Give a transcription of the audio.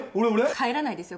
かえらないですよ